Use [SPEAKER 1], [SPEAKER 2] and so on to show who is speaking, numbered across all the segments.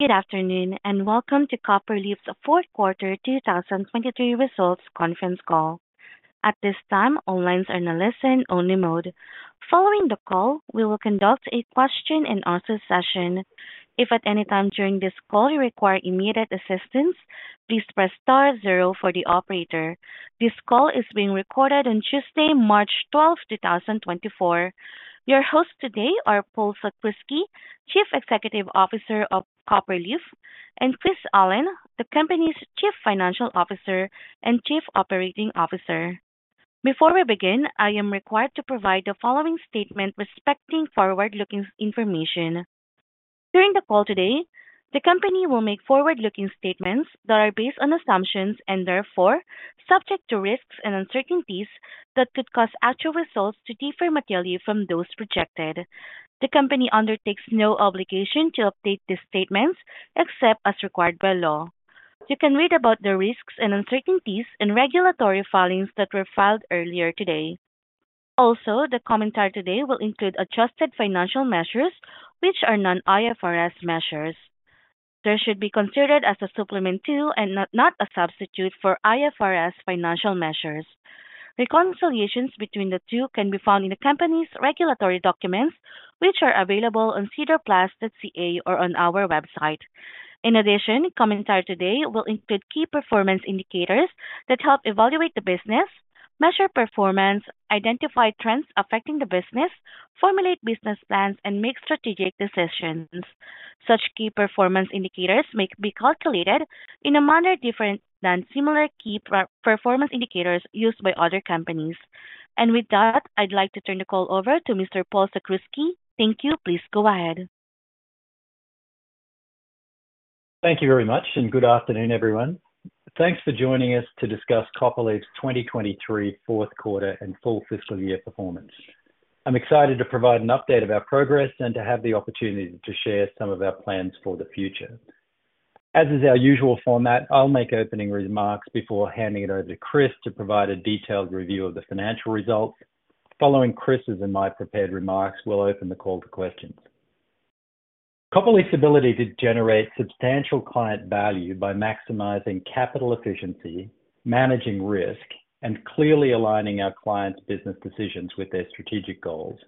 [SPEAKER 1] Good afternoon, and welcome to Copperleaf's fourth quarter 2023 results conference call. At this time, all lines are in a listen-only mode. Following the call, we will conduct a question and answer session. If at any time during this call you require immediate assistance, please press star zero for the operator. This call is being recorded on Tuesday, March 12th, 2024. Your hosts today are Paul Sakrzewski, Chief Executive Officer of Copperleaf, and Chris Allen, the company's Chief Financial Officer and Chief Operating Officer. Before we begin, I am required to provide the following statement respecting forward-looking information. During the call today, the company will make forward-looking statements that are based on assumptions and therefore subject to risks and uncertainties that could cause actual results to differ materially from those projected. The company undertakes no obligation to update these statements except as required by law. You can read about the risks and uncertainties in regulatory filings that were filed earlier today. Also, the commentary today will include adjusted financial measures, which are non-IFRS measures. They should be considered as a supplement to and not, not a substitute for IFRS financial measures. Reconciliations between the two can be found in the company's regulatory documents, which are available on sedarplus.ca or on our website. In addition, commentary today will include key performance indicators that help evaluate the business, measure performance, identify trends affecting the business, formulate business plans, and make strategic decisions. Such key performance indicators may be calculated in a manner different than similar key performance indicators used by other companies. With that, I'd like to turn the call over to Mr. Paul Sakrzewski. Thank you. Please go ahead.
[SPEAKER 2] Thank you very much, and good afternoon, everyone. Thanks for joining us to discuss Copperleaf's 2023 fourth quarter and full fiscal year performance. I'm excited to provide an update of our progress and to have the opportunity to share some of our plans for the future. As is our usual format, I'll make opening remarks before handing it over to Chris to provide a detailed review of the financial results. Following Chris's and my prepared remarks, we'll open the call to questions. Copperleaf's ability to generate substantial client value by maximizing capital efficiency, managing risk, and clearly aligning our clients' business decisions with their strategic goals,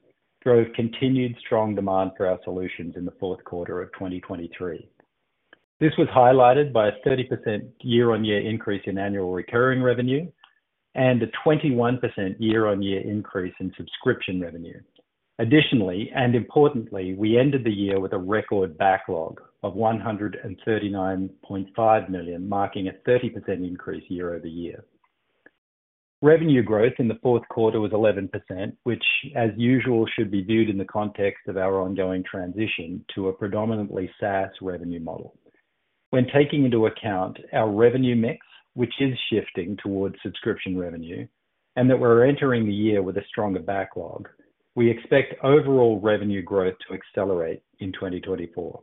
[SPEAKER 2] drove continued strong demand for our solutions in the fourth quarter of 2023. This was highlighted by a 30% year-on-year increase in annual recurring revenue and a 21% year-on-year increase in subscription revenue. Additionally, and importantly, we ended the year with a record backlog of 139.5 million, marking a 30% increase year-over-year. Revenue growth in the fourth quarter was 11%, which, as usual, should be viewed in the context of our ongoing transition to a predominantly SaaS revenue model. When taking into account our revenue mix, which is shifting towards subscription revenue, and that we're entering the year with a stronger backlog, we expect overall revenue growth to accelerate in 2024.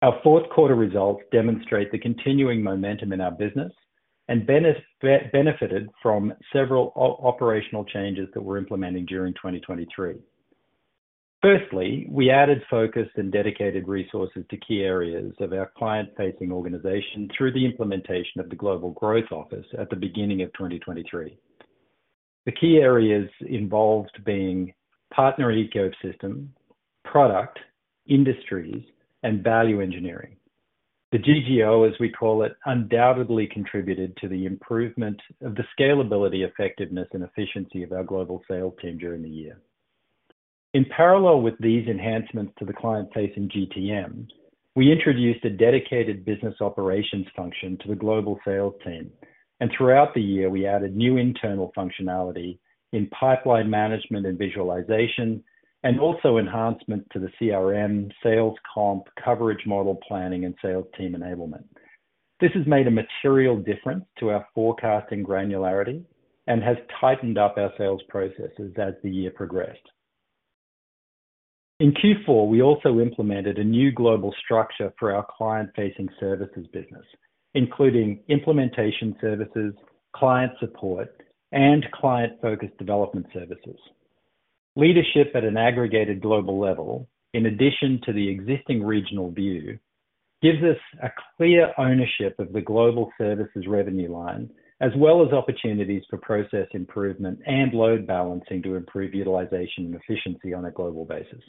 [SPEAKER 2] Our fourth quarter results demonstrate the continuing momentum in our business and benefited from several operational changes that we're implementing during 2023. Firstly, we added focus and dedicated resources to key areas of our client-facing organization through the implementation of the Global Growth Office at the beginning of 2023. The key areas involved being partner ecosystem, product, industries, and value engineering. The GGO, as we call it, undoubtedly contributed to the improvement of the scalability, effectiveness, and efficiency of our global sales team during the year. In parallel with these enhancements to the client-facing GTM, we introduced a dedicated business operations function to the global sales team, and throughout the year, we added new internal functionality in pipeline management and visualization, and also enhancements to the CRM, sales comp, coverage model planning, and sales team enablement. This has made a material difference to our forecasting granularity and has tightened up our sales processes as the year progressed. In Q4, we also implemented a new global structure for our client-facing services business, including implementation services, client support, and client-focused development services. Leadership at an aggregated global level, in addition to the existing regional view, gives us a clear ownership of the global services revenue line, as well as opportunities for process improvement and load balancing to improve utilization and efficiency on a global basis.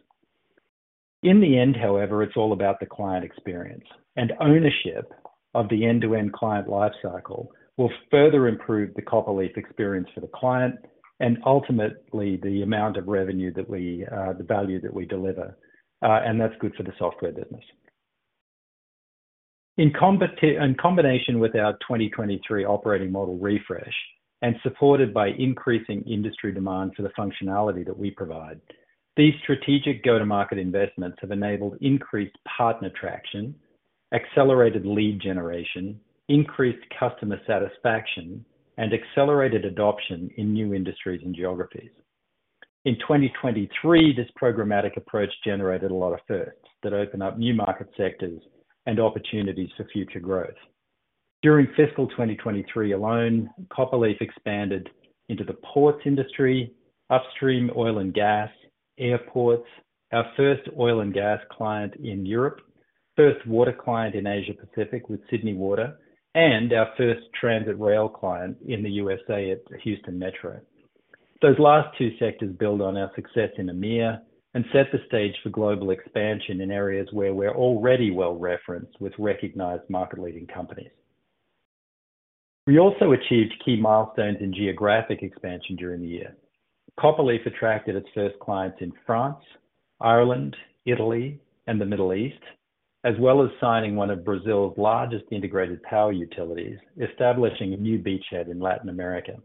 [SPEAKER 2] In the end, however, it's all about the client experience, and ownership of the end-to-end client life cycle will further improve the Copperleaf experience for the client and ultimately, the amount of revenue that we, the value that we deliver. That's good for the software business. In combination with our 2023 operating model refresh and supported by increasing industry demand for the functionality that we provide, these strategic go-to-market investments have enabled increased partner traction, accelerated lead generation, increased customer satisfaction, and accelerated adoption in new industries and geographies. In 2023, this programmatic approach generated a lot of firsts that open up new market sectors and opportunities for future growth. During fiscal 2023 alone, Copperleaf expanded into the ports industry, upstream oil and gas, airports, our first oil and gas client in Europe, first water client in Asia Pacific with Sydney Water, and our first transit rail client in the USA at Houston METRO. Those last two sectors build on our success in EMEA and set the stage for global expansion in areas where we're already well-referenced with recognized market-leading companies. We also achieved key milestones in geographic expansion during the year. Copperleaf attracted its first clients in France, Ireland, Italy, and the Middle East, as well as signing one of Brazil's largest integrated power utilities, establishing a new beachhead in Latin America.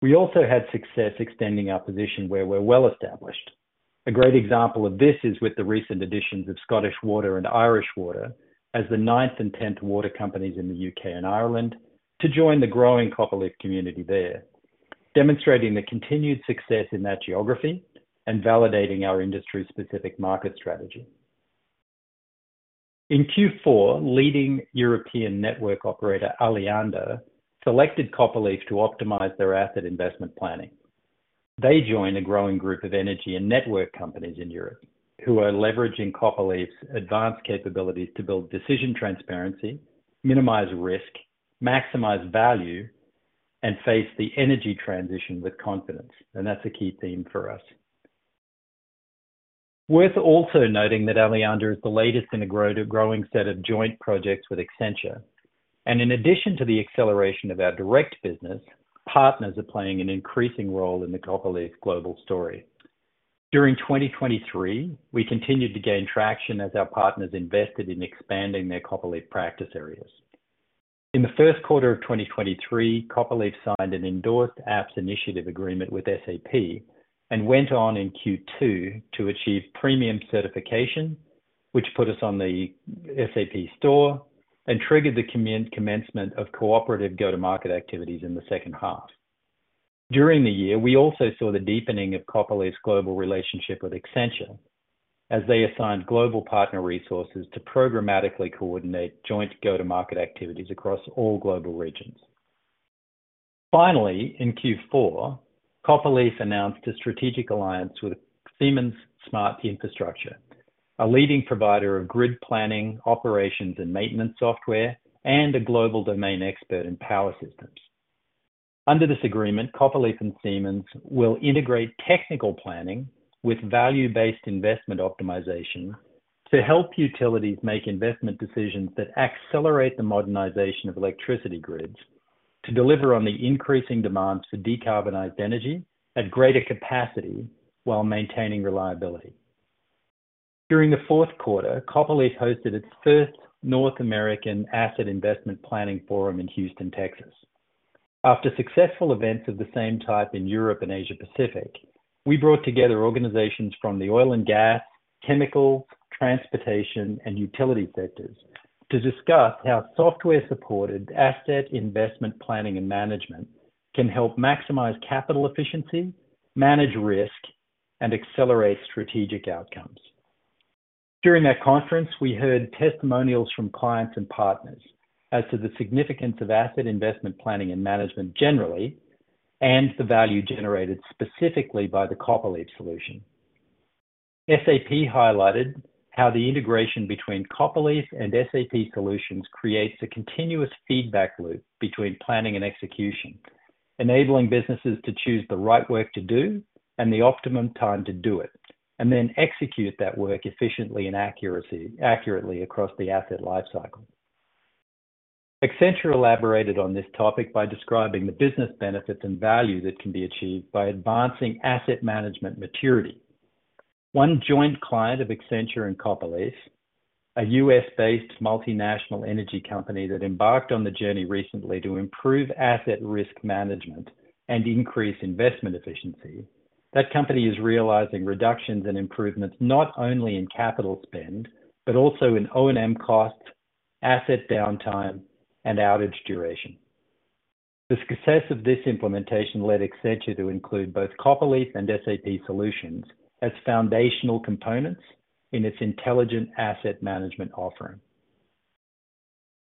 [SPEAKER 2] We also had success extending our position where we're well established. A great example of this is with the recent additions of Scottish Water and Irish Water as the ninth and tenth water companies in the UK and Ireland to join the growing Copperleaf community there, demonstrating the continued success in that geography and validating our industry-specific market strategy. In Q4, leading European network operator, Alliander, selected Copperleaf to optimize their asset investment planning. They join a growing group of energy and network companies in Europe who are leveraging Copperleaf's advanced capabilities to build decision transparency, minimize risk, maximize value, and face the energy transition with confidence, and that's a key theme for us. Worth also noting that Alliander is the latest in a growing set of joint projects with Accenture, and in addition to the acceleration of our direct business, partners are playing an increasing role in the Copperleaf global story. During 2023, we continued to gain traction as our partners invested in expanding their Copperleaf practice areas. In the first quarter of 2023, Copperleaf signed an endorsed apps initiative agreement with SAP and went on in Q2 to achieve premium certification, which put us on the SAP Store and triggered the commencement of cooperative go-to-market activities in the second half. During the year, we also saw the deepening of Copperleaf's global relationship with Accenture as they assigned global partner resources to programmatically coordinate joint go-to-market activities across all global regions. Finally, in Q4, Copperleaf announced a strategic alliance with Siemens Smart Infrastructure, a leading provider of grid planning, operations, and maintenance software, and a global domain expert in power systems. Under this agreement, Copperleaf and Siemens will integrate technical planning with value-based investment optimization to help utilities make investment decisions that accelerate the modernization of electricity grids to deliver on the increasing demands for decarbonized energy at greater capacity while maintaining reliability. During the fourth quarter, Copperleaf hosted its first North American Asset Investment Planning Forum in Houston, Texas. After successful events of the same type in Europe and Asia Pacific, we brought together organizations from the oil and gas, chemical, transportation, and utility sectors to discuss how software-supported asset investment planning and management can help maximize capital efficiency, manage risk, and accelerate strategic outcomes. During that conference, we heard testimonials from clients and partners as to the significance of asset investment planning and management generally, and the value generated specifically by the Copperleaf solution. SAP highlighted how the integration between Copperleaf and SAP solutions creates a continuous feedback loop between planning and execution, enabling businesses to choose the right work to do and the optimum time to do it, and then execute that work efficiently and accurately across the asset lifecycle. Accenture elaborated on this topic by describing the business benefits and value that can be achieved by advancing asset management maturity. One joint client of Accenture and Copperleaf, a U.S.-based multinational energy company that embarked on the journey recently to improve asset risk management and increase investment efficiency. That company is realizing reductions and improvements not only in capital spend, but also in O&M costs, asset downtime, and outage duration. The success of this implementation led Accenture to include both Copperleaf and SAP solutions as foundational components in its intelligent asset management offering.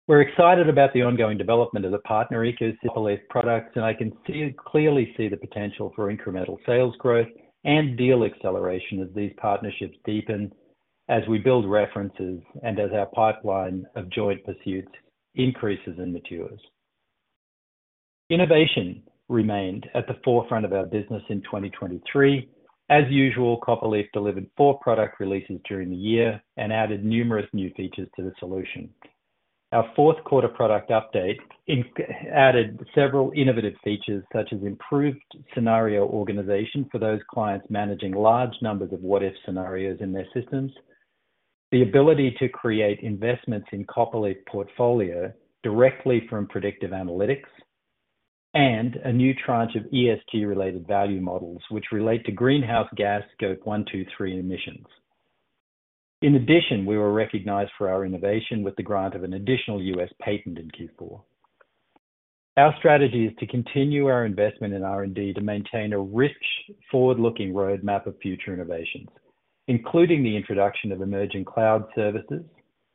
[SPEAKER 2] We're excited about the ongoing development of the partner ecosystem products, and I can see, clearly see the potential for incremental sales growth and deal acceleration as these partnerships deepen, as we build references, and as our pipeline of joint pursuits increases and matures. Innovation remained at the forefront of our business in 2023. As usual, Copperleaf delivered four product releases during the year and added numerous new features to the solution. Our fourth quarter product update added several innovative features, such as improved scenario organization for those clients managing large numbers of what-if scenarios in their systems, the ability to create investments in Copperleaf Portfolio directly from predictive analytics, and a new tranche of ESG-related value models, which relate to greenhouse gas Scope 1, Scope 2, Scope 3 emissions. In addition, we were recognized for our innovation with the grant of an additional U.S. patent in Q4. Our strategy is to continue our investment in R&D to maintain a rich, forward-looking roadmap of future innovations, including the introduction of emerging cloud services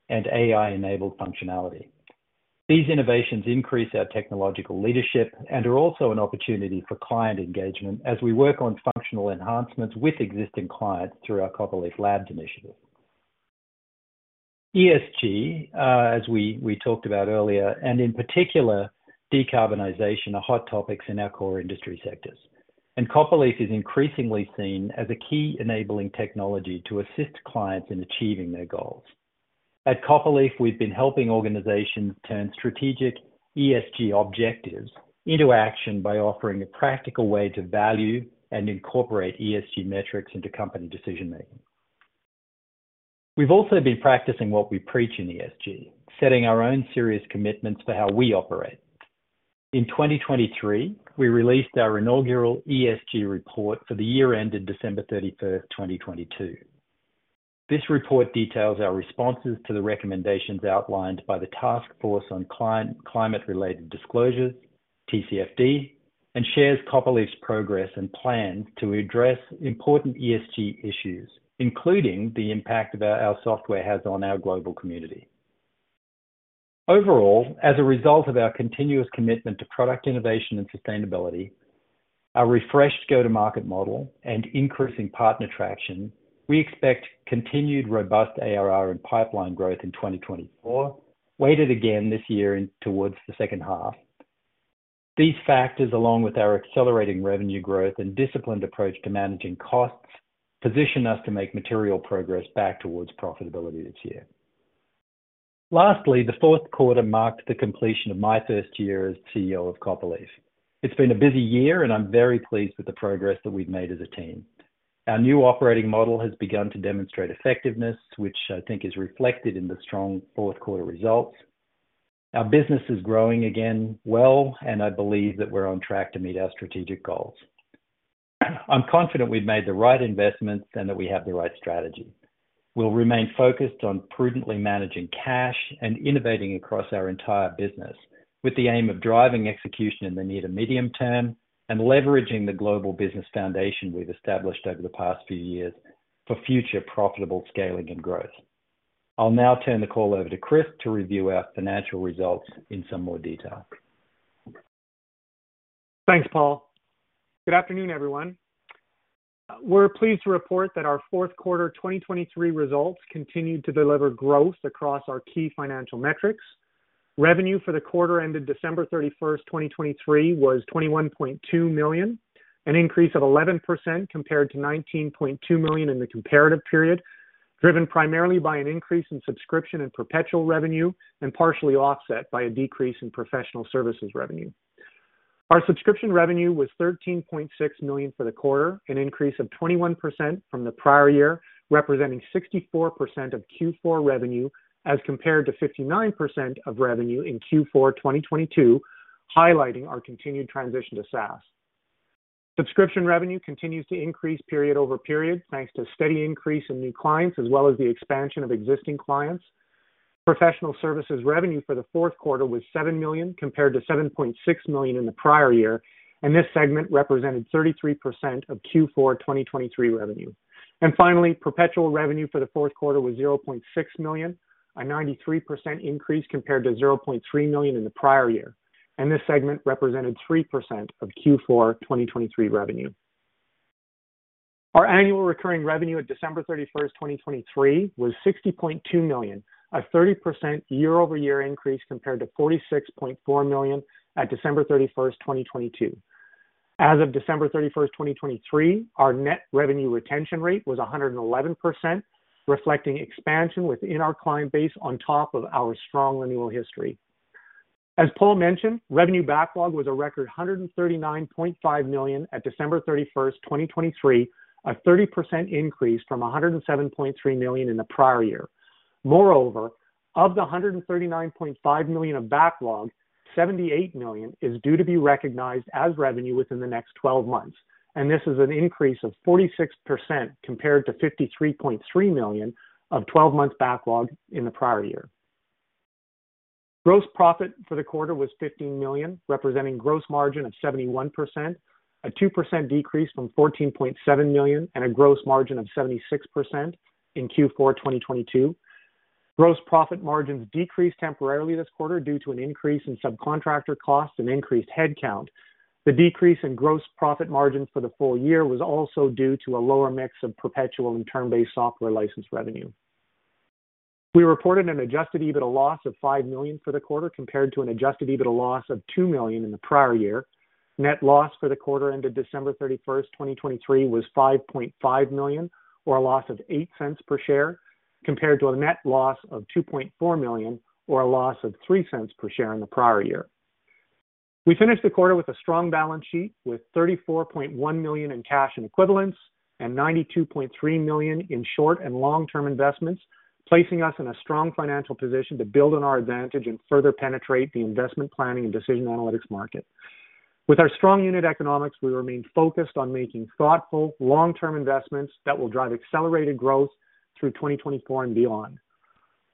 [SPEAKER 2] and AI-enabled functionality. These innovations increase our technological leadership and are also an opportunity for client engagement as we work on functional enhancements with existing clients through our Copperleaf Labs initiative. ESG, as we talked about earlier, and in particular, decarbonization, are hot topics in our core industry sectors, and Copperleaf is increasingly seen as a key enabling technology to assist clients in achieving their goals. At Copperleaf, we've been helping organizations turn strategic ESG objectives into action by offering a practical way to value and incorporate ESG metrics into company decision-making. We've also been practicing what we preach in ESG, setting our own serious commitments for how we operate. In 2023, we released our inaugural ESG report for the year ended December 31st, 2022. This report details our responses to the recommendations outlined by the Task Force on Climate-related Financial Disclosures, TCFD, and shares Copperleaf's progress and plans to address important ESG issues, including the impact that our software has on our global community. Overall, as a result of our continuous commitment to product innovation and sustainability, our refreshed go-to-market model, and increasing partner traction, we expect continued robust ARR and pipeline growth in 2024, weighted again this year towards the second half. These factors, along with our accelerating revenue growth and disciplined approach to managing costs, position us to make material progress back towards profitability this year. Lastly, the fourth quarter marked the completion of my first year as CEO of Copperleaf. It's been a busy year, and I'm very pleased with the progress that we've made as a team. Our new operating model has begun to demonstrate effectiveness, which I think is reflected in the strong fourth quarter results. Our business is growing again well, and I believe that we're on track to meet our strategic goals. I'm confident we've made the right investments and that we have the right strategy. We'll remain focused on prudently managing cash and innovating across our entire business, with the aim of driving execution in the near to medium term and leveraging the global business foundation we've established over the past few years for future profitable scaling and growth. I'll now turn the call over to Chris to review our financial results in some more detail.
[SPEAKER 3] Thanks, Paul. Good afternoon, everyone. We're pleased to report that our fourth quarter 2023 results continued to deliver growth across our key financial metrics. Revenue for the quarter ended December 31st, 2023, was 21.2 million, an increase of 11% compared to 19.2 million in the comparative period, driven primarily by an increase in subscription and perpetual revenue and partially offset by a decrease in professional services revenue. Our subscription revenue was 13.6 million for the quarter, an increase of 21% from the prior year, representing 64% of Q4 revenue, as compared to 59% of revenue in Q4 2022, highlighting our continued transition to SaaS. Subscription revenue continues to increase period over period, thanks to a steady increase in new clients as well as the expansion of existing clients. Professional services revenue for the fourth quarter was 7 million, compared to 7.6 million in the prior year, and this segment represented 33% of Q4 2023 revenue. Finally, perpetual revenue for the fourth quarter was 0.6 million, a 93% increase compared to 0.3 million in the prior year, and this segment represented 3% of Q4 2023 revenue. Our annual recurring revenue at December 31st, 2023, was 60.2 million, a 30% year-over-year increase compared to 46.4 million at December 31st, 2022. As of December 31st, 2023, our net revenue retention rate was 111%, reflecting expansion within our client base on top of our strong annual history. As Paul mentioned, revenue backlog was a record 139.5 million at December 31st, 2023, a 30% increase from 107.3 million in the prior year. Moreover, of the 139.5 million of backlog, 78 million is due to be recognized as revenue within the next twelve months, and this is an increase of 46% compared to 53.3 million of twelve months backlog in the prior year. Gross profit for the quarter was 15 million, representing gross margin of 71%, a 2% decrease from 14.7 million and a gross margin of 76% in Q4 2022. Gross profit margins decreased temporarily this quarter due to an increase in subcontractor costs and increased headcount. The decrease in gross profit margins for the full year was also due to a lower mix of perpetual and term-based software license revenue. We reported an adjusted EBITDA loss of 5 million for the quarter, compared to an adjusted EBITDA loss of 2 million in the prior year. Net loss for the quarter ended December 31st, 2023, was 5.5 million, or a loss of 0.08 per share, compared to a net loss of 2.4 million, or a loss of 0.03 per share in the prior year. We finished the quarter with a strong balance sheet, with 34.1 million in cash equivalents and 92.3 million in short and long-term investments, placing us in a strong financial position to build on our advantage and further penetrate the investment planning and decision analytics market. With our strong unit economics, we remain focused on making thoughtful, long-term investments that will drive accelerated growth through 2024 and beyond.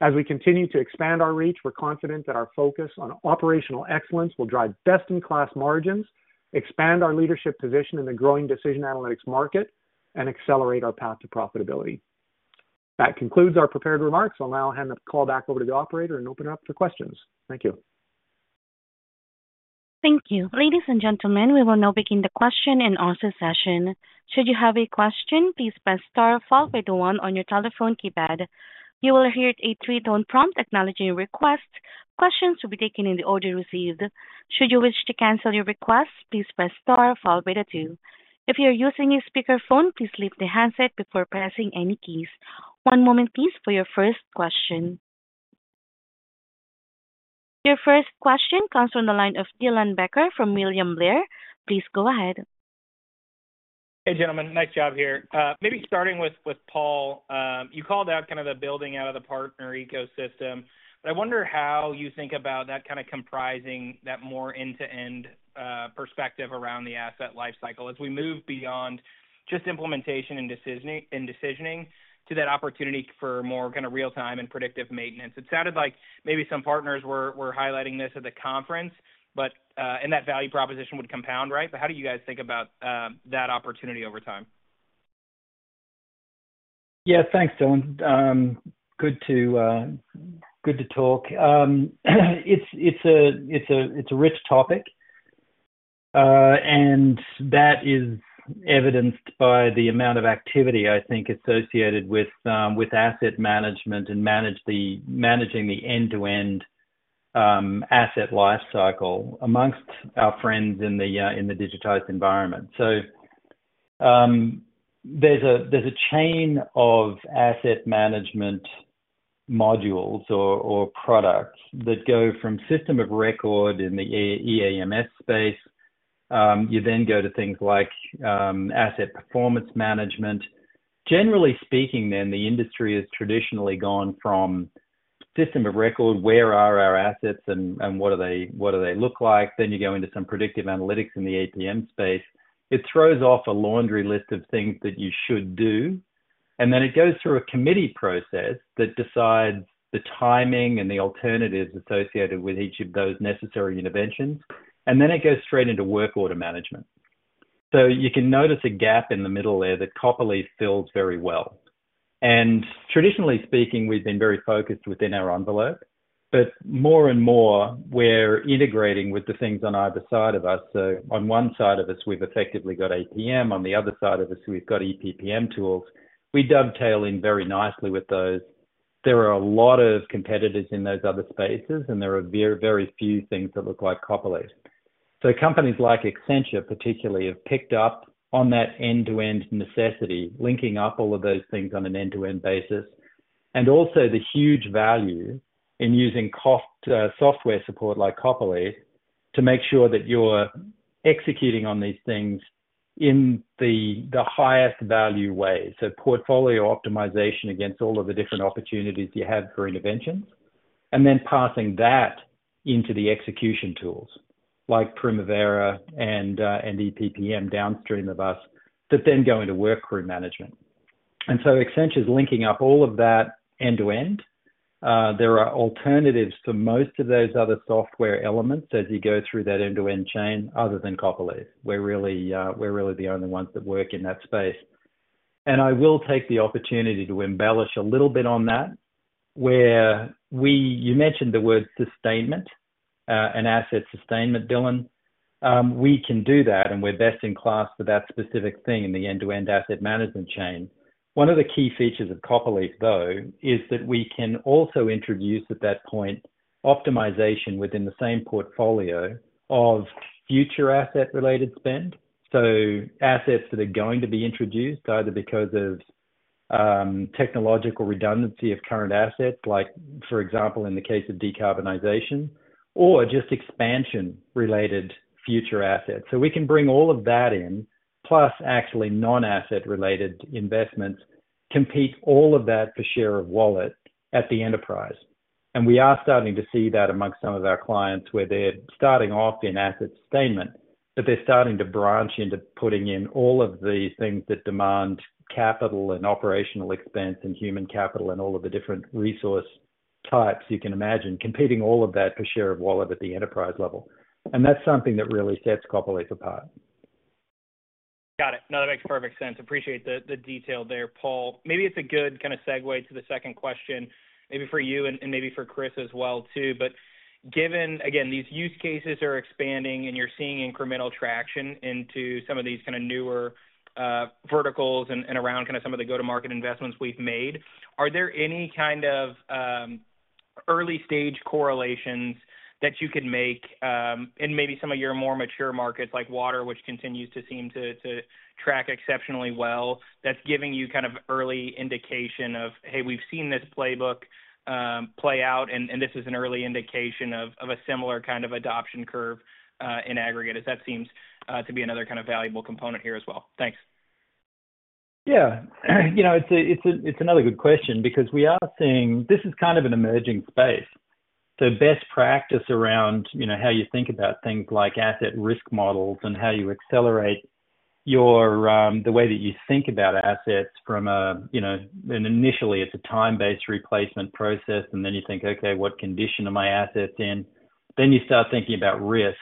[SPEAKER 3] As we continue to expand our reach, we're confident that our focus on operational excellence will drive best-in-class margins, expand our leadership position in the growing decision analytics market, and accelerate our path to profitability. That concludes our prepared remarks. I'll now hand the call back over to the operator and open it up to questions. Thank you.
[SPEAKER 1] Thank you. Ladies and gentlemen, we will now begin the question and answer session. Should you have a question, please press star followed by the one on your telephone keypad. You will hear a three-tone prompt acknowledging your request. Questions will be taken in the order received. Should you wish to cancel your request, please press star followed by the two. If you're using a speakerphone, please leave the handset before pressing any keys. One moment, please, for your first question. Your first question comes from the line of Dylan Becker from William Blair. Please go ahead.
[SPEAKER 4] Hey, gentlemen, nice job here. Maybe starting with Paul. You called out kind of the building out of the partner ecosystem, but I wonder how you think about that kind of comprising that more end-to-end perspective around the asset life cycle. As we move beyond just implementation and decision- and decisioning to that opportunity for more kind of real-time and predictive maintenance, it sounded like maybe some partners were highlighting this at the conference, but, and that value proposition would compound, right? But how do you guys think about that opportunity over time?
[SPEAKER 2] Yeah, thanks, Dylan. Good to talk. It's a rich topic, and that is evidenced by the amount of activity, I think, associated with asset management and managing the end-to-end asset life cycle among our friends in the digitized environment. So, there's a chain of asset management modules or products that go from system of record in the EAMs space. You then go to things like asset performance management. Generally speaking, then the industry has traditionally gone from system of record, where are our assets and what do they look like? Then you go into some predictive analytics in the APM space. It throws off a laundry list of things that you should do, and then it goes through a committee process that decides the timing and the alternatives associated with each of those necessary interventions, and then it goes straight into work order management. So you can notice a gap in the middle there that Copperleaf fills very well. And traditionally speaking, we've been very focused within our envelope, but more and more we're integrating with the things on either side of us. So on one side of us, we've effectively got APM. On the other side of us, we've got EPPM tools. We dovetail in very nicely with those. There are a lot of competitors in those other spaces, and there are very few things that look like Copperleaf. So companies like Accenture, particularly, have picked up on that end-to-end necessity, linking up all of those things on an end-to-end basis, and also the huge value in using cost, software support like Copperleaf, to make sure that you're executing on these things in the, the highest value way. So portfolio optimization against all of the different opportunities you have for interventions, and then passing that into the execution tools like Primavera and, and EPPM downstream of us, that then go into work crew management. And so Accenture is linking up all of that end to end. There are alternatives to most of those other software elements as you go through that end-to-end chain other than Copperleaf. We're really, we're really the only ones that work in that space. And I will take the opportunity to embellish a little bit on that, where we... You mentioned the word sustainment, and asset sustainment, Dylan. We can do that, and we're best in class for that specific thing in the end-to-end asset management chain. One of the key features of Copperleaf, though, is that we can also introduce, at that point, optimization within the same portfolio of future asset-related spend. So assets that are going to be introduced, either because of technological redundancy of current assets, like for example, in the case of decarbonization, or just expansion-related future assets. So we can bring all of that in, plus actually non-asset-related investments, compete all of that for share of wallet at the enterprise. We are starting to see that among some of our clients, where they're starting off in asset sustainment, but they're starting to branch into putting in all of the things that demand capital and operational expense and human capital, and all of the different resource types you can imagine, competing all of that for share of wallet at the enterprise level. That's something that really sets Copperleaf apart.
[SPEAKER 4] Got it. No, that makes perfect sense. Appreciate the, the detail there, Paul. Maybe it's a good kind of segue to the second question, maybe for you and, and maybe for Chris as well, too. But given, again, these use cases are expanding and you're seeing incremental traction into some of these kind of newer, verticals and, and around kind of some of the go-to-market investments we've made, are there any kind of, early-stage correlations that you can make, in maybe some of your more mature markets, like water, which continues to seem to, to track exceptionally well, that's giving you kind of early indication of, hey, we've seen this playbook, play out, and, and this is an early indication of, of a similar kind of adoption curve, in aggregate, as that seems, to be another kind of valuable component here as well? Thanks....
[SPEAKER 2] Yeah, you know, it's a, it's a, it's another good question because we are seeing this is kind of an emerging space. So best practice around, you know, how you think about things like asset risk models and how you accelerate your, the way that you think about assets from a, you know, initially, it's a time-based replacement process, and then you think, "Okay, what condition are my assets in?" Then you start thinking about risk.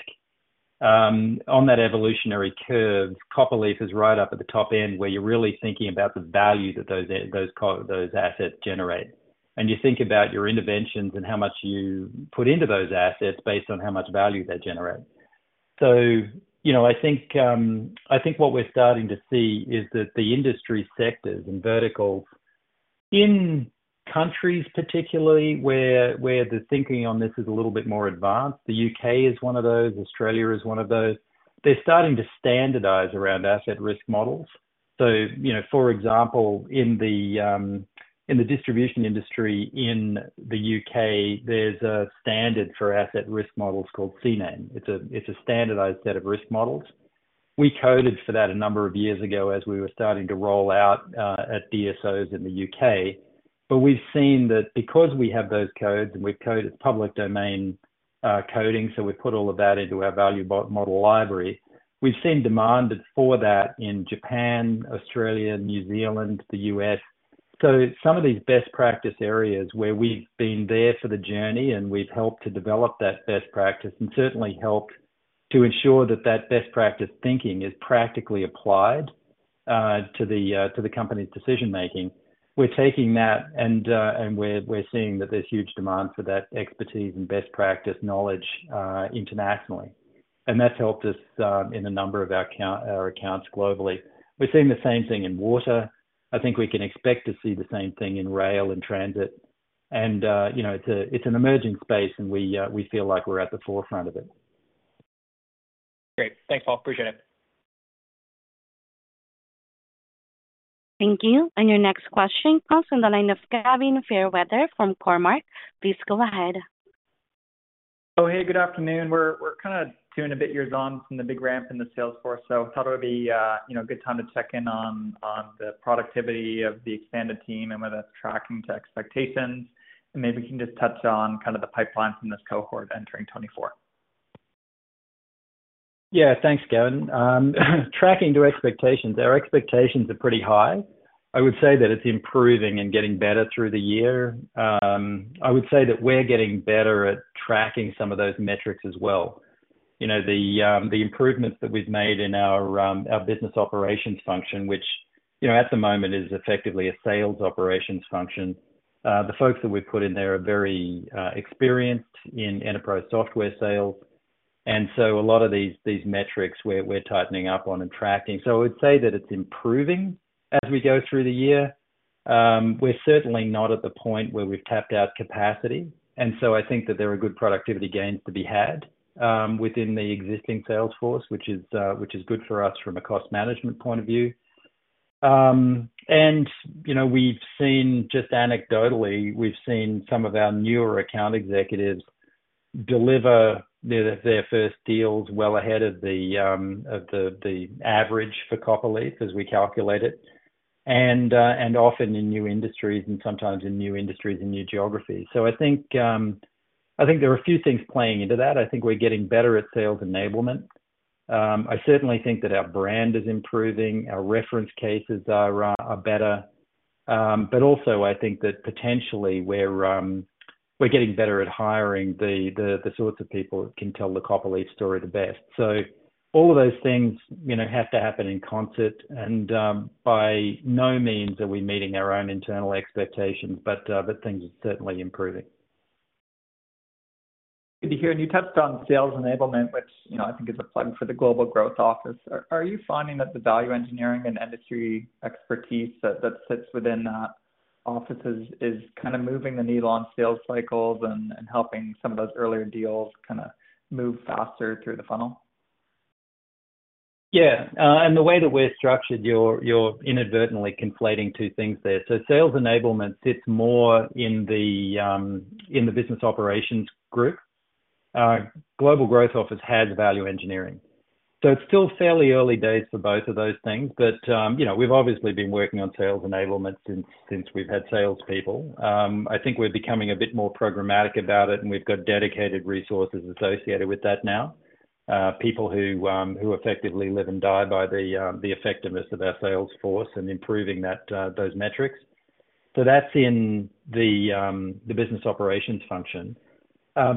[SPEAKER 2] On that evolutionary curve, Copperleaf is right up at the top end, where you're really thinking about the value that those, those co-- those assets generate. And you think about your interventions and how much you put into those assets based on how much value they generate. So, you know, I think, I think what we're starting to see is that the industry sectors and verticals in countries, particularly, where the thinking on this is a little bit more advanced. The UK is one of those, Australia is one of those. They're starting to standardize around asset risk models. So, you know, for example, in the distribution industry in the UK, there's a standard for asset risk models called CNAIM. It's a, it's a standardized set of risk models. We coded for that a number of years ago as we were starting to roll out at DSOs in the UK. But we've seen that because we have those codes, and we've coded public domain coding, so we've put all of that into our value model library. We've seen demand for that in Japan, Australia, New Zealand, the US. So some of these best practice areas where we've been there for the journey, and we've helped to develop that best practice, and certainly helped to ensure that that best practice thinking is practically applied to the company's decision making. We're taking that, and we're seeing that there's huge demand for that expertise and best practice knowledge internationally. And that's helped us in a number of our accounts globally. We're seeing the same thing in water. I think we can expect to see the same thing in rail and transit, and you know, it's an emerging space, and we feel like we're at the forefront of it.
[SPEAKER 4] Great. Thanks, Paul. Appreciate it.
[SPEAKER 1] Thank you. And your next question comes from the line of Gavin Fairweather from Cormark. Please go ahead.
[SPEAKER 5] Oh, hey, good afternoon. We're kind of tuning a bit years on from the big ramp in the sales force, so thought it would be a, you know, good time to check in on the productivity of the expanded team and whether that's tracking to expectations. And maybe you can just touch on kind of the pipeline from this cohort entering 2024.
[SPEAKER 2] Yeah, thanks, Gavin. Tracking to expectations. Our expectations are pretty high. I would say that it's improving and getting better through the year. I would say that we're getting better at tracking some of those metrics as well. You know, the improvements that we've made in our business operations function, which, you know, at the moment is effectively a sales operations function. The folks that we've put in there are very experienced in enterprise software sales, and so a lot of these metrics we're tightening up on and tracking. So I would say that it's improving as we go through the year. We're certainly not at the point where we've tapped out capacity, and so I think that there are good productivity gains to be had within the existing sales force, which is good for us from a cost management point of view. And, you know, we've seen, just anecdotally, we've seen some of our newer account executives deliver their first deals well ahead of the average for Copperleaf, as we calculate it, and often in new industries and sometimes in new industries and new geographies. So I think there are a few things playing into that. I think we're getting better at sales enablement. I certainly think that our brand is improving, our reference cases are better. But also I think that potentially we're getting better at hiring the sorts of people that can tell the Copperleaf story the best. So all of those things, you know, have to happen in concert, and by no means are we meeting our own internal expectations, but things are certainly improving.
[SPEAKER 5] Good to hear, and you touched on sales enablement, which, you know, I think is a plug for the global growth office. Are you finding that the value engineering and industry expertise that sits within that office is kind of moving the needle on sales cycles and helping some of those earlier deals kind of move faster through the funnel?
[SPEAKER 2] Yeah. And the way that we're structured, you're, you're inadvertently conflating two things there. So sales enablement sits more in the business operations group. Global growth office has value engineering, so it's still fairly early days for both of those things. But, you know, we've obviously been working on sales enablement since, since we've had salespeople. I think we're becoming a bit more programmatic about it, and we've got dedicated resources associated with that now. People who, who effectively live and die by the, the effectiveness of our sales force and improving that, those metrics. So that's in the business operations function.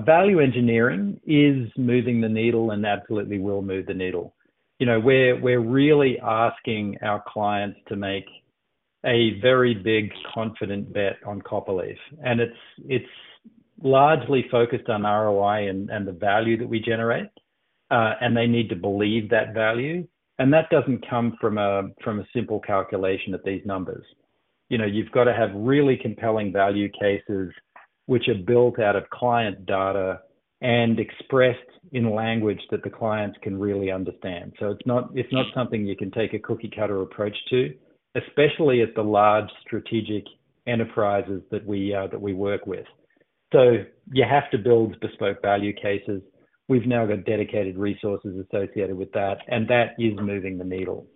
[SPEAKER 2] Value engineering is moving the needle and absolutely will move the needle. You know, we're really asking our clients to make a very big, confident bet on Copperleaf, and it's largely focused on ROI and the value that we generate, and they need to believe that value, and that doesn't come from a simple calculation of these numbers. You know, you've got to have really compelling value cases which are built out of client data and expressed in language that the clients can really understand. So it's not something you can take a cookie-cutter approach to, especially at the large strategic enterprises that we work with. So you have to build bespoke value cases. We've now got dedicated resources associated with that, and that is moving the needle.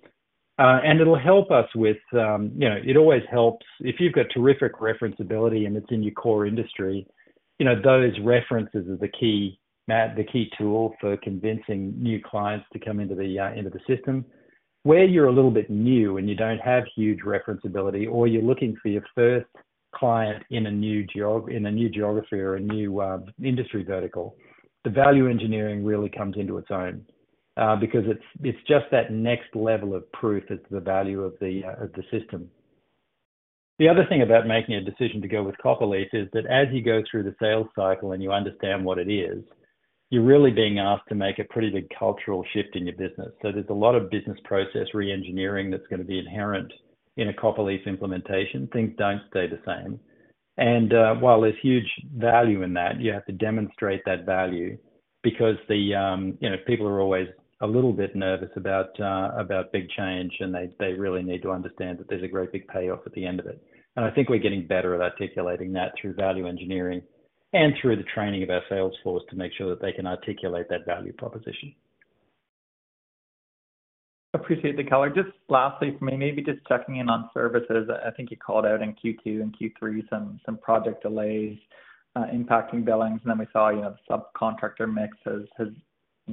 [SPEAKER 2] And it'll help us with, you know, it always helps if you've got terrific referenceability and it's in your core industry, you know, those references are the key, Matt, the key tool for convincing new clients to come into the, into the system. Where you're a little bit new and you don't have huge referenceability, or you're looking for your first client in a new geography or a new industry vertical, the value engineering really comes into its own, because it's, it's just that next level of proof that the value of the of the system. The other thing about making a decision to go with Copperleaf is that as you go through the sales cycle and you understand what it is, you're really being asked to make a pretty big cultural shift in your business. There's a lot of business process reengineering that's gonna be inherent in a Copperleaf implementation. Things don't stay the same. While there's huge value in that, you have to demonstrate that value because the, you know, people are always a little bit nervous about big change, and they really need to understand that there's a great big payoff at the end of it. I think we're getting better at articulating that through value engineering and through the training of our sales force to make sure that they can articulate that value proposition.
[SPEAKER 5] Appreciate the color. Just lastly for me, maybe just checking in on services. I think you called out in Q2 and Q3 some project delays impacting billings, and then we saw, you know, subcontractor mix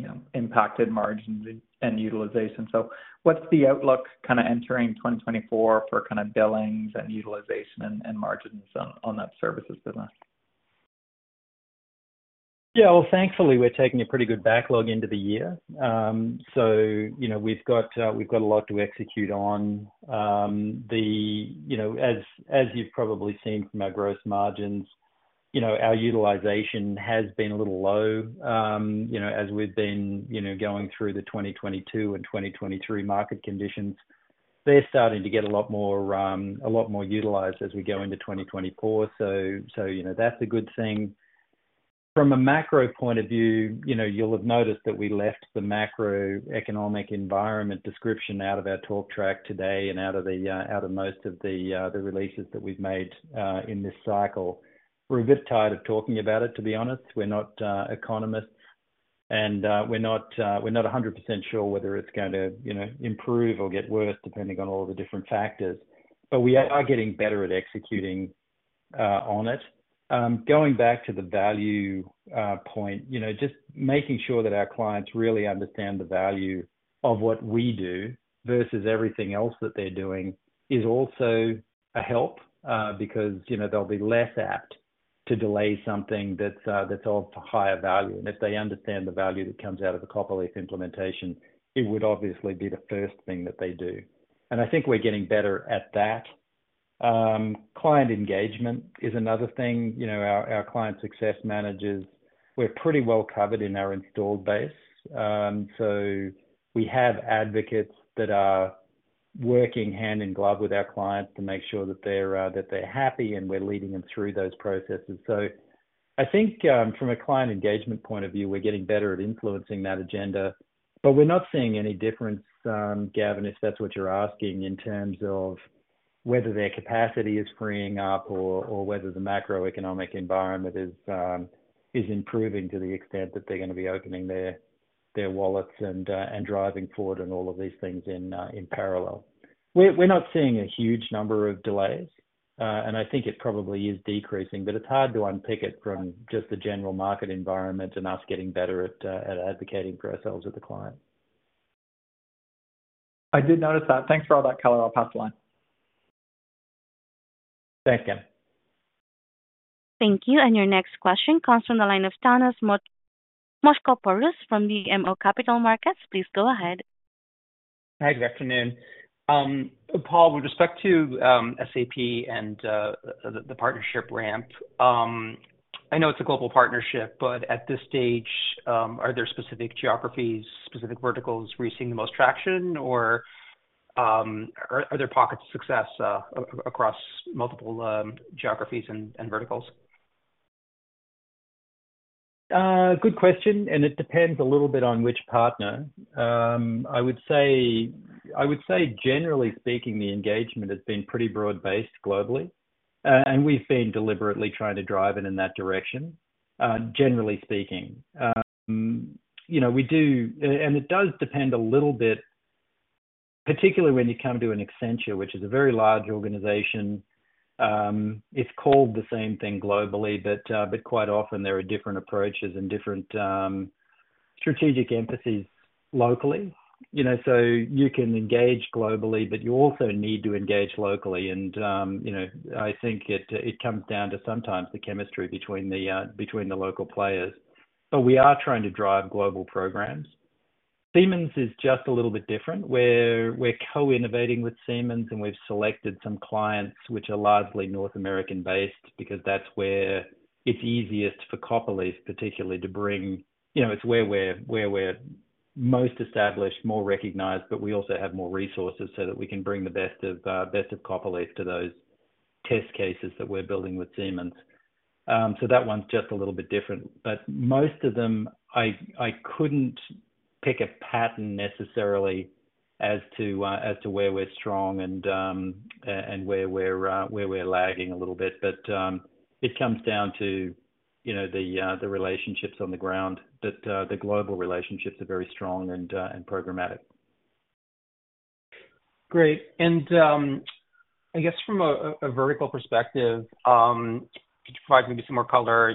[SPEAKER 5] has impacted margins and utilization. So what's the outlook kinda entering 2024 for kinda billings and utilization and margins on that services business?
[SPEAKER 2] Yeah, well, thankfully, we're taking a pretty good backlog into the year. So, you know, we've got a lot to execute on. You know, as you've probably seen from our gross margins, you know, our utilization has been a little low. You know, as we've been, you know, going through the 2022 and 2023 market conditions, they're starting to get a lot more utilized as we go into 2024. So, you know, that's a good thing. From a macro point of view, you know, you'll have noticed that we left the macroeconomic environment description out of our talk track today and out of most of the releases that we've made in this cycle. We're a bit tired of talking about it, to be honest. We're not economists, and we're not 100% sure whether it's going to, you know, improve or get worse, depending on all the different factors. But we are getting better at executing on it. Going back to the value point, you know, just making sure that our clients really understand the value of what we do versus everything else that they're doing is also a help, because, you know, they'll be less apt to delay something that's of higher value. And if they understand the value that comes out of the Copperleaf implementation, it would obviously be the first thing that they do. And I think we're getting better at that. Client engagement is another thing. You know, our client success managers, we're pretty well covered in our installed base. So we have advocates that are working hand in glove with our clients to make sure that they're, that they're happy, and we're leading them through those processes. So I think, from a client engagement point of view, we're getting better at influencing that agenda, but we're not seeing any difference, Gavin, if that's what you're asking, in terms of whether their capacity is freeing up or, or whether the macroeconomic environment is, is improving to the extent that they're gonna be opening their, their wallets and, and driving forward and all of these things in, in parallel. We're, we're not seeing a huge number of delays, and I think it probably is decreasing, but it's hard to unpick it from just the general market environment and us getting better at, at advocating for ourselves with the client.
[SPEAKER 5] I did notice that. Thanks for all that color. I'll pass the line.
[SPEAKER 2] Thanks, Gavin.
[SPEAKER 1] Thank you. Your next question comes from the line of Thanos Moschopoulos from the BMO Capital Markets. Please go ahead.
[SPEAKER 6] Hi, good afternoon. Paul, with respect to SAP and the partnership ramp, I know it's a global partnership, but at this stage, are there specific geographies, specific verticals where you're seeing the most traction? Or, are there pockets of success across multiple geographies and verticals?
[SPEAKER 2] Good question, and it depends a little bit on which partner. I would say, I would say, generally speaking, the engagement has been pretty broad-based globally, and we've been deliberately trying to drive it in that direction, generally speaking. You know, we do—and, and it does depend a little bit, particularly when you come to Accenture, which is a very large organization. It's called the same thing globally, but, but quite often there are different approaches and different strategic emphases locally. You know, so you can engage globally, but you also need to engage locally, and, you know, I think it, it comes down to sometimes the chemistry between the between the local players. But we are trying to drive global programs. Siemens is just a little bit different, where we're co-innovating with Siemens, and we've selected some clients which are largely North American-based, because that's where it's easiest for Copperleaf, particularly to bring... You know, it's where we're most established, more recognized, but we also have more resources so that we can bring the best of best of Copperleaf to those test cases that we're building with Siemens. So that one's just a little bit different. But most of them, I couldn't pick a pattern necessarily as to where we're strong and where we're lagging a little bit. But it comes down to, you know, the relationships on the ground, but the global relationships are very strong and programmatic.
[SPEAKER 6] Great. And, I guess from a vertical perspective, could you provide maybe some more color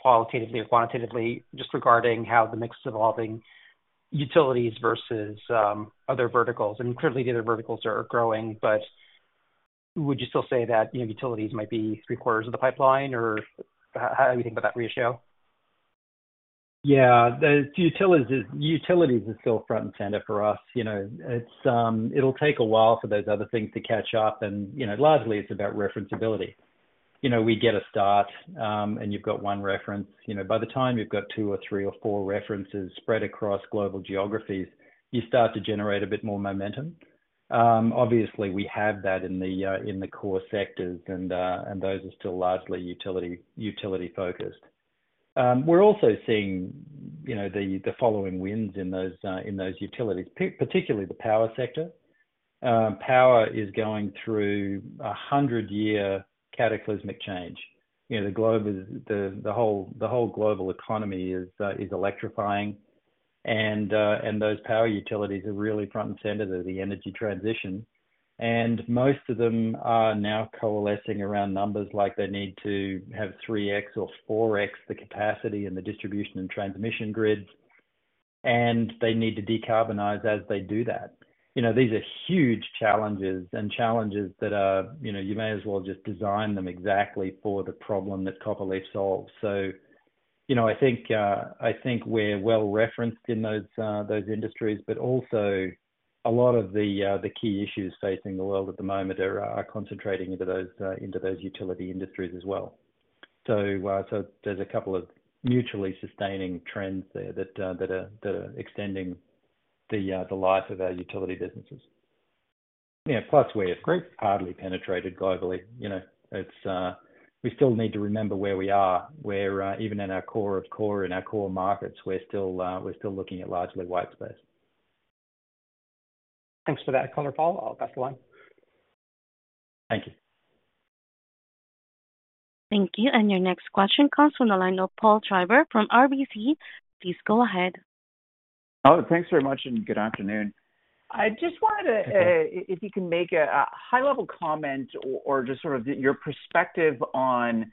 [SPEAKER 6] qualitatively or quantitatively just regarding how the mix is evolving, utilities versus other verticals? And clearly, the other verticals are growing, but would you still say that, you know, utilities might be three quarters of the pipeline, or how do you think about that ratio?
[SPEAKER 2] Yeah, the utilities is still front and center for us. You know, it's, it'll take a while for those other things to catch up. And, you know, largely it's about referenceability. You know, we get a start, and you've got one reference. You know, by the time you've got two or three or four references spread across global geographies, you start to generate a bit more momentum. Obviously, we have that in the core sectors, and those are still largely utility-focused. We're also seeing, you know, the tailwinds in those utilities, particularly the power sector. Power is going through a 100-year cataclysmic change. You know, the whole global economy is electrifying, and those power utilities are really front and center to the energy transition. And most of them are now coalescing around numbers, like they need to have 3x or 4x the capacity and the distribution and transmission grids, and they need to decarbonize as they do that. You know, these are huge challenges, and challenges that are, you know, you may as well just design them exactly for the problem that Copperleaf solves. So, you know, I think we're well-referenced in those industries, but also a lot of the key issues facing the world at the moment are concentrating into those utility industries as well. So, there's a couple of mutually sustaining trends there that are extending the life of our utility businesses. Yeah, plus we're hardly penetrated globally. You know, it's, we still need to remember where we are. We're even in our core of core, in our core markets, we're still looking at largely white space.
[SPEAKER 6] Thanks for that color, Paul. I'll pass the line.
[SPEAKER 2] Thank you.
[SPEAKER 1] Thank you. Your next question comes from the line of Paul Treiber from RBC. Please go ahead.
[SPEAKER 7] Oh, thanks very much, and good afternoon. I just wanted to, if you can make a high-level comment or just sort of your perspective on,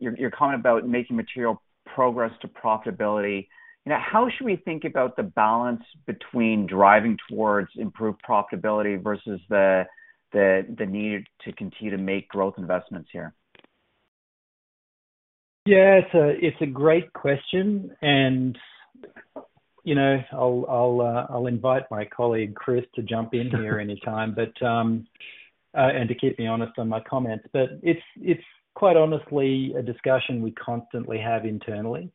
[SPEAKER 7] your comment about making material progress to profitability. You know, how should we think about the balance between driving towards improved profitability versus the need to continue to make growth investments here?
[SPEAKER 2] Yeah, it's a great question, and, you know, I'll invite my colleague, Chris, to jump in here anytime, but and to keep me honest on my comments. But it's quite honestly a discussion we constantly have internally.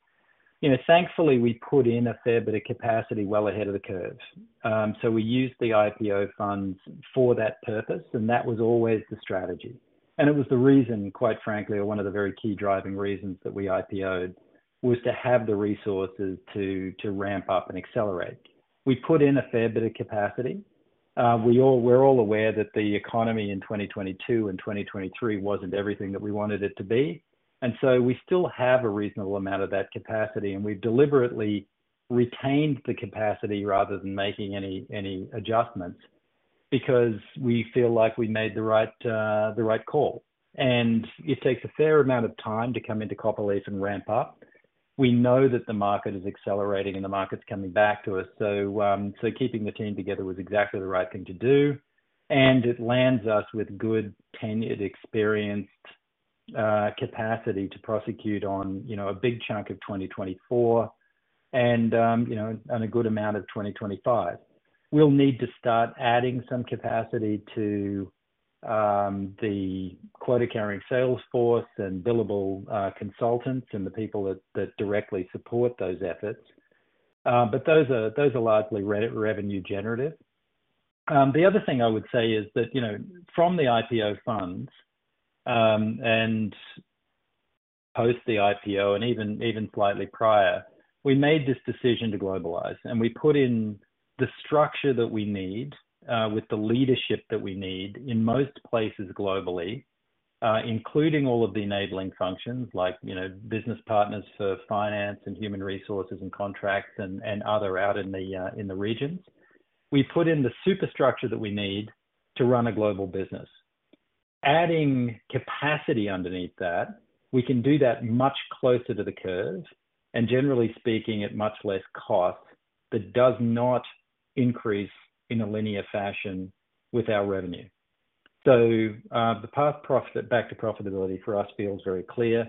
[SPEAKER 2] You know, thankfully, we put in a fair bit of capacity well ahead of the curve. So we used the IPO funds for that purpose, and that was always the strategy. And it was the reason, quite frankly, or one of the very key driving reasons that we IPO'd, was to have the resources to ramp up and accelerate. We put in a fair bit of capacity. We're all aware that the economy in 2022 and 2023 wasn't everything that we wanted it to be, and so we still have a reasonable amount of that capacity, and we've deliberately retained the capacity rather than making any adjustments, because we feel like we made the right call. And it takes a fair amount of time to come into Copperleaf and ramp up. We know that the market is accelerating and the market's coming back to us, so keeping the team together was exactly the right thing to do, and it lands us with good, tenured, experienced capacity to prosecute on, you know, a big chunk of 2024 and, you know, and a good amount of 2025. We'll need to start adding some capacity to the quota-carrying sales force and billable consultants and the people that directly support those efforts. But those are largely revenue generative. The other thing I would say is that, you know, from the IPO funds and post the IPO and even slightly prior, we made this decision to globalize, and we put in the structure that we need with the leadership that we need in most places globally, including all of the enabling functions, like, you know, business partners for finance and human resources and contracts and other out in the regions. We put in the superstructure that we need to run a global business. Adding capacity underneath that, we can do that much closer to the curve, and generally speaking, at much less cost that does not increase in a linear fashion with our revenue. So, the path to profit, back to profitability for us feels very clear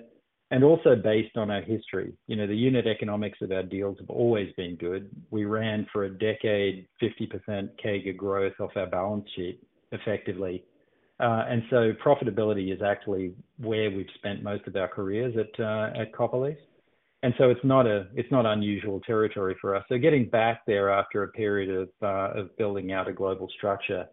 [SPEAKER 2] and also based on our history. You know, the unit economics of our deals have always been good. We ran for a decade, 50% CAGR growth off our balance sheet effectively. And so profitability is actually where we've spent most of our careers at, at Copperleaf, and so it's not a-- it's not unusual territory for us. So getting back there after a period of, of building out a global structure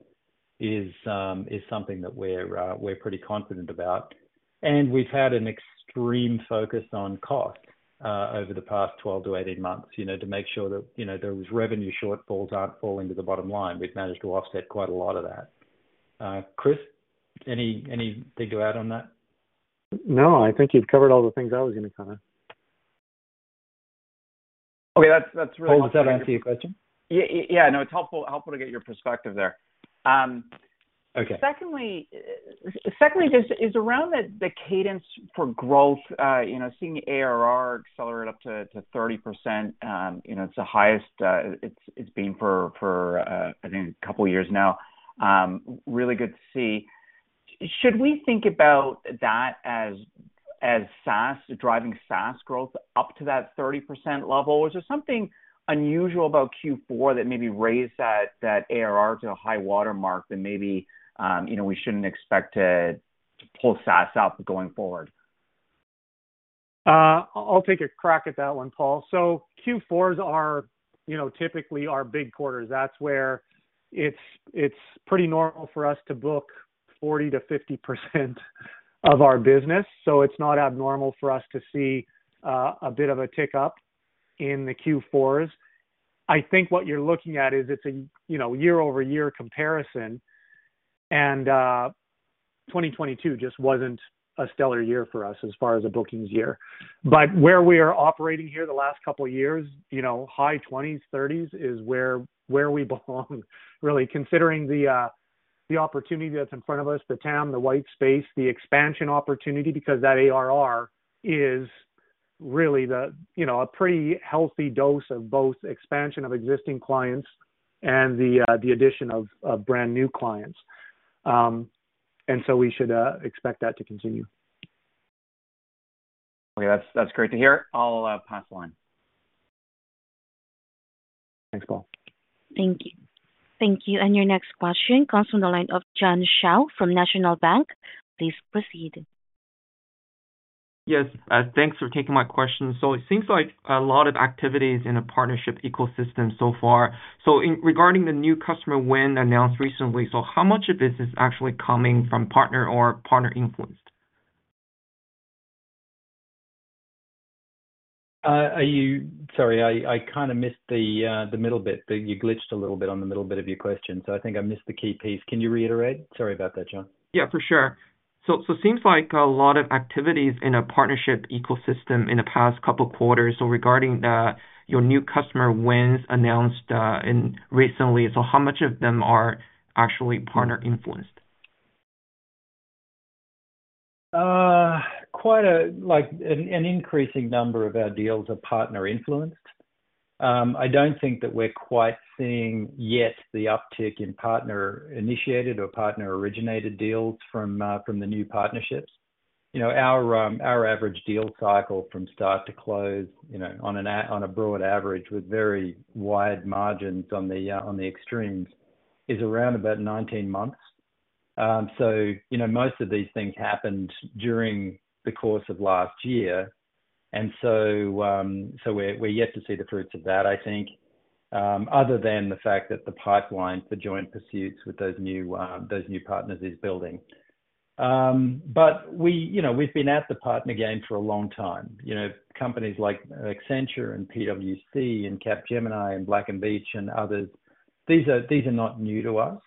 [SPEAKER 2] is something that we're, we're pretty confident about. We've had an extreme focus on cost over the past 12-months-18-months, you know, to make sure that, you know, those revenue shortfalls aren't falling to the bottom line. We've managed to offset quite a lot of that. Chris, anything to add on that?
[SPEAKER 3] No, I think you've covered all the things I was gonna comment.
[SPEAKER 7] Okay, that's really-
[SPEAKER 2] Paul, does that answer your question?
[SPEAKER 7] Yeah, yeah. No, it's helpful, helpful to get your perspective there.
[SPEAKER 2] Okay.
[SPEAKER 7] Secondly, just around the cadence for growth, you know, seeing the ARR accelerate up to 30%, you know, it's the highest, it's been for, I think a couple of years now. Really good to see. Should we think about that as SaaS driving SaaS growth up to that 30% level? Or is there something unusual about Q4 that maybe raised that ARR to a high watermark than maybe, you know, we shouldn't expect to pull SaaS up going forward?
[SPEAKER 3] I'll take a crack at that one, Paul. So Q4s are, you know, typically our big quarters. That's where it's, it's pretty normal for us to book 40%-50% of our business. So it's not abnormal for us to see a bit of a tick up in the Q4s. I think what you're looking at is it's a, you know, year-over-year comparison, and 2022 just wasn't a stellar year for us as far as a bookings year. But where we are operating here the last couple of years, you know, high 20s, 30s, is where we belong, really, considering the opportunity that's in front of us, the TAM, the white space, the expansion opportunity, because that ARR is really the, you know, a pretty healthy dose of both expansion of existing clients and the addition of brand-new clients. We should expect that to continue.
[SPEAKER 7] Okay. That's, that's great to hear. I'll pass the line.
[SPEAKER 2] Thanks, Paul.
[SPEAKER 1] Thank you. Thank you. And your next question comes from the line of John Shao from National Bank. Please proceed.
[SPEAKER 8] Yes. Thanks for taking my question. So it seems like a lot of activities in a partnership ecosystem so far. So, in regard to the new customer win announced recently, so how much of this is actually coming from partner or partner influenced?
[SPEAKER 2] Are you? Sorry, I kind of missed the middle bit. You glitched a little bit on the middle bit of your question, so I think I missed the key piece. Can you reiterate? Sorry about that, John.
[SPEAKER 8] Yeah, for sure. So seems like a lot of activities in a partnership ecosystem in the past couple of quarters. So regarding your new customer wins announced recently, how much of them are actually partner influenced?
[SPEAKER 2] Quite a, like, an increasing number of our deals are partner influenced. I don't think that we're quite seeing yet the uptick in partner-initiated or partner-originated deals from, from the new partnerships. You know, our, our average deal cycle from start to close, you know, on a broad average, with very wide margins on the, on the extremes, is around about 19-months. So, you know, most of these things happened during the course of last year, and so, so we're, we're yet to see the fruits of that, I think, other than the fact that the pipeline for joint pursuits with those new, those new partners is building. But we, you know, we've been at the partner game for a long time. You know, companies like Accenture and PwC and Capgemini and Black & Veatch and others, these are, these are not new to us,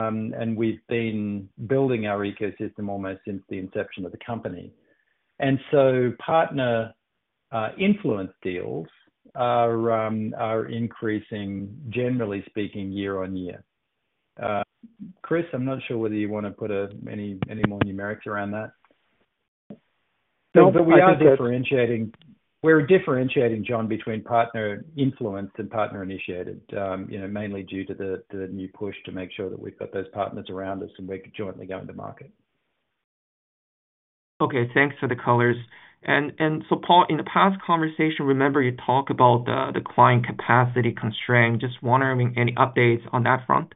[SPEAKER 2] and we've been building our ecosystem almost since the inception of the company. And so partner influence deals are, are increasing, generally speaking, year on year. Chris, I'm not sure whether you want to put a, any, any more numerics around that.
[SPEAKER 8] No, but I think that-
[SPEAKER 2] But we are differentiating. We're differentiating, John, between partner influence and partner-initiated, you know, mainly due to the new push to make sure that we've got those partners around us and we're jointly going to market.
[SPEAKER 8] Okay, thanks for the colors. And so Paul, in the past conversation, remember you talked about the client capacity constraint. Just wondering, any updates on that front?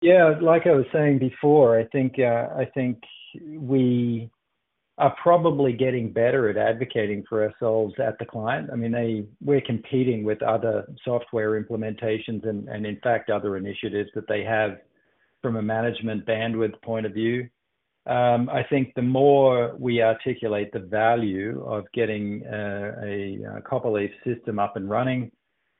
[SPEAKER 2] Yeah, like I was saying before, I think, I think we are probably getting better at advocating for ourselves at the client. I mean, we're competing with other software implementations and, and in fact, other initiatives that they have from a management bandwidth point of view. I think the more we articulate the value of getting, a Copperleaf system up and running,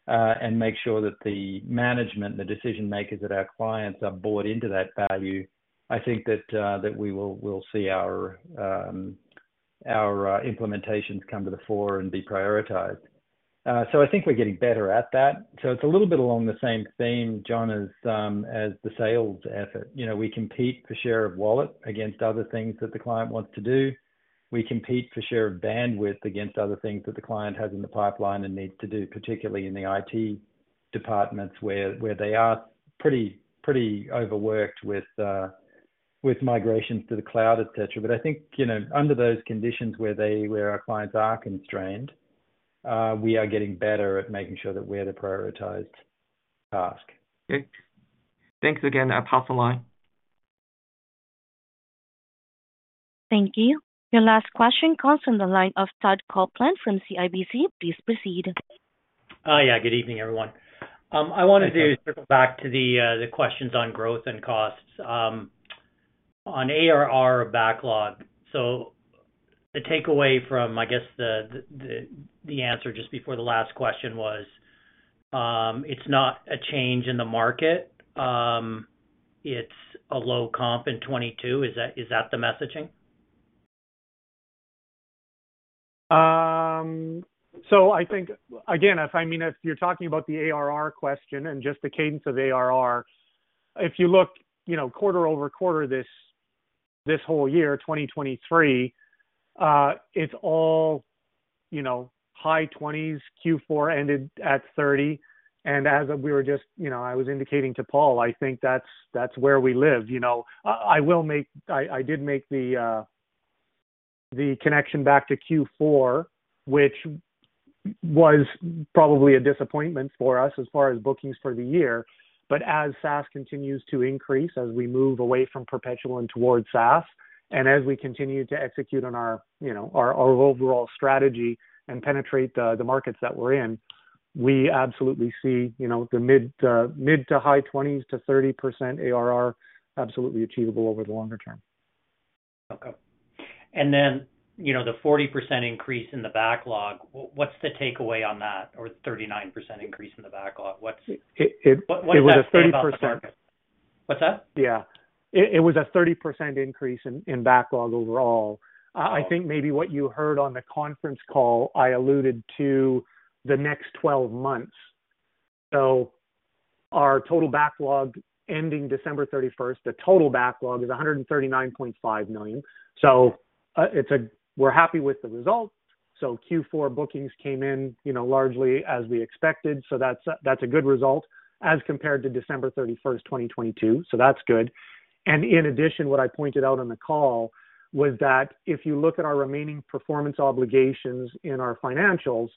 [SPEAKER 2] and make sure that the management, the decision-makers at our clients, are bought into that value, I think that, that we will- we'll see our, our, implementations come to the fore and be prioritized. So I think we're getting better at that. So it's a little bit along the same theme, John, as, as the sales effort. You know, we compete for share of wallet against other things that the client wants to do. We compete for share of bandwidth against other things that the client has in the pipeline and needs to do, particularly in the IT departments, where they are pretty overworked with migrations to the cloud, et cetera. But I think, you know, under those conditions where our clients are constrained, we are getting better at making sure that we're the prioritized task.
[SPEAKER 8] Okay. Thanks again. I'll pass the line.
[SPEAKER 2] Thank you. Your last question comes from the line of Todd Coupland from CIBC. Please proceed.
[SPEAKER 9] Yeah, good evening, everyone. I wanted to circle back to the questions on growth and costs on ARR backlog. So the takeaway from, I guess, the answer just before the last question was, it's not a change in the market, it's a low comp in 2022. Is that, is that the messaging?
[SPEAKER 3] So I think, again, if I mean, if you're talking about the ARR question and just the cadence of ARR, if you look, you know, quarter-over-quarter, this whole year, 2023, it's all, you know, high 20s, Q4 ended at 30. And as we were just, you know, I was indicating to Paul, I think that's, that's where we live. You know, I will make. I did make the connection back to Q4, which was probably a disappointment for us as far as bookings for the year. But as SaaS continues to increase, as we move away from perpetual and towards SaaS, and as we continue to execute on our, you know, our, our overall strategy and penetrate the, the markets that we're in, we absolutely see, you know, the mid-20s to high 20s to 30% ARR absolutely achievable over the longer term.
[SPEAKER 9] Okay. And then, you know, the 40% increase in the backlog, what's the takeaway on that? Or 39% increase in the backlog, what's-
[SPEAKER 3] It, it-...
[SPEAKER 9] What does that say about the market?
[SPEAKER 3] It was a 30%-
[SPEAKER 9] What's that?
[SPEAKER 3] Yeah. It was a 30% increase in backlog overall.
[SPEAKER 9] Oh.
[SPEAKER 3] I think maybe what you heard on the conference call, I alluded to the next 12-months. So our total backlog ending December 31st, the total backlog is 139.5 million. So, we're happy with the results. So Q4 bookings came in, you know, largely as we expected, so that's a good result as compared to December 31st, 2022, so that's good. And in addition, what I pointed out on the call was that if you look at our remaining performance obligations in our financials,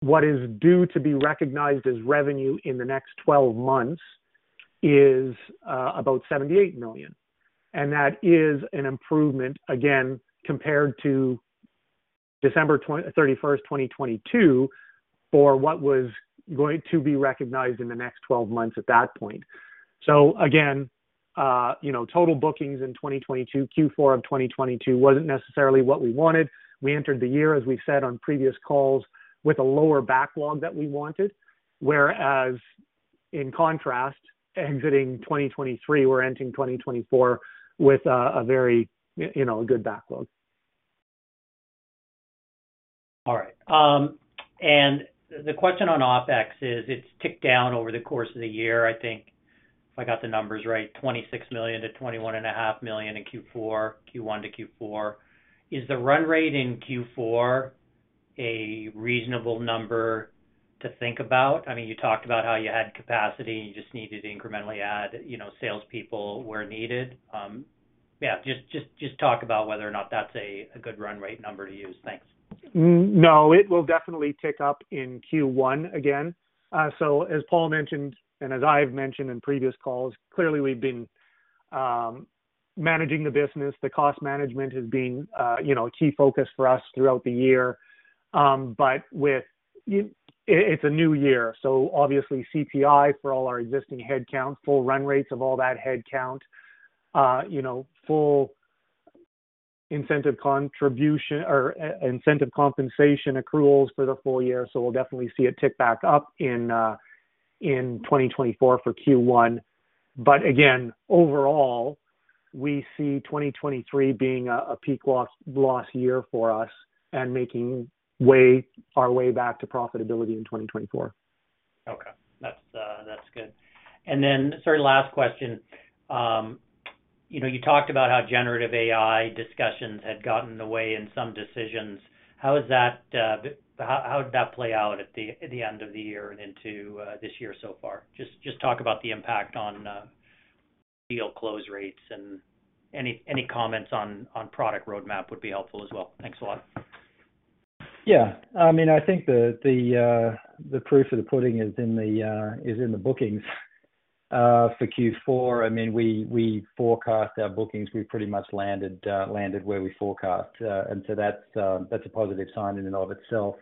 [SPEAKER 3] what is due to be recognized as revenue in the next 12-months is about 78 million. And that is an improvement, again, compared to December 31st, 2022, for what was going to be recognized in the next 12-months at that point. So again, you know, total bookings in 2022, Q4 of 2022 wasn't necessarily what we wanted. We entered the year, as we've said on previous calls, with a lower backlog than we wanted, whereas in contrast, exiting 2023, we're entering 2024 with a very, you know, good backlog.
[SPEAKER 9] All right. The question on OPEX is, it's ticked down over the course of the year. I think, if I got the numbers right, 26 million to 21.5 million in Q4, Q1 to Q4. Is the run rate in Q4 a reasonable number to think about? I mean, you talked about how you had capacity, and you just needed to incrementally add, you know, salespeople where needed. Yeah, just, just, just talk about whether or not that's a, a good run rate number to use. Thanks.
[SPEAKER 3] No, it will definitely tick up in Q1 again. So as Paul mentioned, and as I've mentioned in previous calls, clearly we've been managing the business. The cost management has been, you know, a key focus for us throughout the year. But it's a new year, so obviously CPI for all our existing headcount, full run rates of all that headcount, you know, full incentive compensation accruals for the full year. So we'll definitely see it tick back up in 2024 for Q1. But again, overall, we see 2023 being a peak loss year for us and making our way back to profitability in 2024.
[SPEAKER 9] Okay. That's, that's good. And then, sorry, last question. You know, you talked about how generative AI discussions had gotten in the way in some decisions. How is that, how, how did that play out at the, at the end of the year and into, this year so far? Just, just talk about the impact on, deal close rates and any, any comments on, on product roadmap would be helpful as well. Thanks a lot.
[SPEAKER 2] Yeah. I mean, I think the proof of the pudding is in the bookings for Q4. I mean, we forecast our bookings. We pretty much landed where we forecast. And so that's a positive sign in and of itself.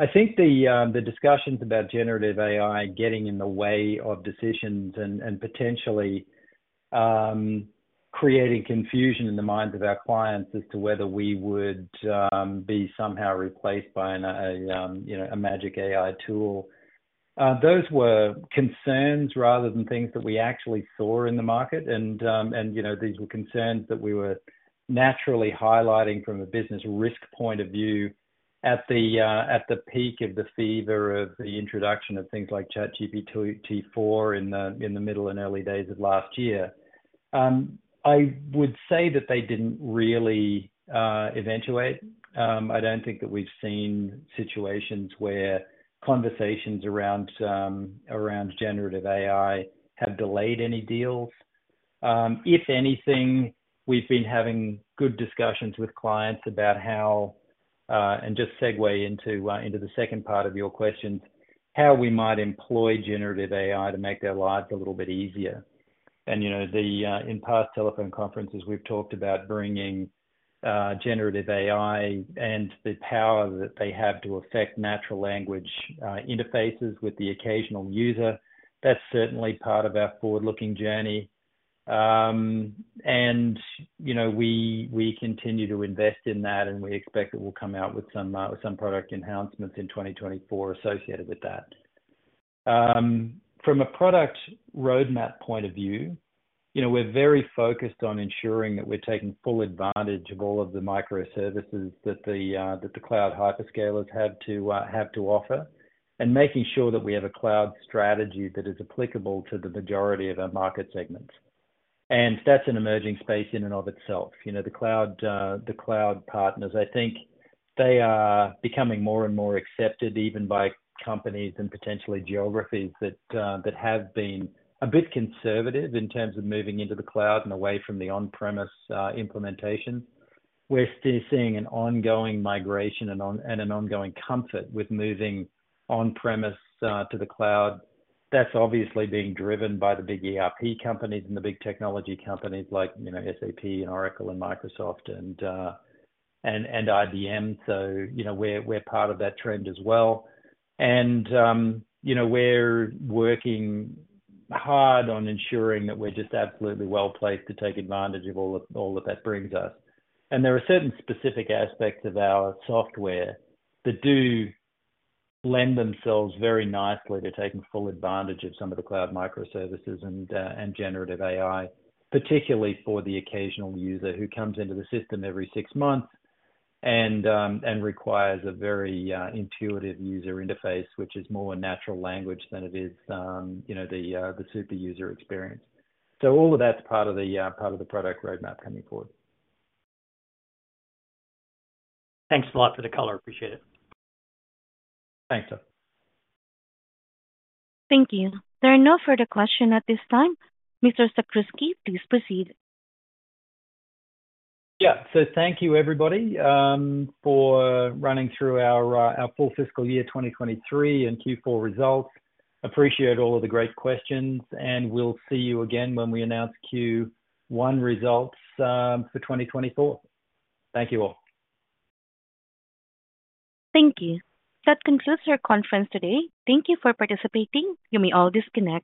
[SPEAKER 2] I think the discussions about generative AI getting in the way of decisions and potentially creating confusion in the minds of our clients as to whether we would be somehow replaced by an AI tool. Those were concerns rather than things that we actually saw in the market. And, you know, these were concerns that we were naturally highlighting from a business risk point of view at the peak of the fever of the introduction of things like ChatGPT-4 in the middle and early days of last year. I would say that they didn't really eventuate. I don't think that we've seen situations where conversations around generative AI have delayed any deals. If anything, we've been having good discussions with clients about how and just segue into the second part of your question... how we might employ generative AI to make their lives a little bit easier. And, you know, in past telephone conferences, we've talked about bringing generative AI and the power that they have to affect natural language interfaces with the occasional user. That's certainly part of our forward-looking journey. And, you know, we continue to invest in that, and we expect that we'll come out with some product enhancements in 2024 associated with that. From a product roadmap point of view, you know, we're very focused on ensuring that we're taking full advantage of all of the microservices that the cloud hyperscalers have to offer, and making sure that we have a cloud strategy that is applicable to the majority of our market segments. And that's an emerging space in and of itself. You know, the cloud partners, I think they are becoming more and more accepted, even by companies and potentially geographies that have been a bit conservative in terms of moving into the cloud and away from the on-premise implementation. We're still seeing an ongoing migration and an ongoing comfort with moving on-premise to the cloud. That's obviously being driven by the big ERP companies and the big technology companies like, you know, SAP and Oracle and Microsoft and IBM. So, you know, we're part of that trend as well. And, you know, we're working hard on ensuring that we're just absolutely well placed to take advantage of all that, all that that brings us. There are certain specific aspects of our software that do lend themselves very nicely to taking full advantage of some of the cloud microservices and generative AI, particularly for the occasional user who comes into the system every six months and requires a very intuitive user interface, which is more a natural language than it is, you know, the super user experience. All of that's part of the product roadmap coming forward.
[SPEAKER 9] Thanks a lot for the color. Appreciate it.
[SPEAKER 2] Thanks, sir.
[SPEAKER 1] Thank you. There are no further questions at this time. Mr. Sakrzewski, please proceed.
[SPEAKER 2] Yeah. So thank you, everybody, for running through our, our full fiscal year, 2023 and Q4 results. Appreciate all of the great questions, and we'll see you again when we announce Q1 results, for 2024. Thank you, all.
[SPEAKER 1] Thank you. That concludes our conference today. Thank you for participating. You may all disconnect.